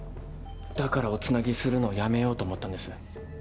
だからおつなぎするのをやめようと思ったんです。